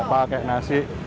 ya pakai nasi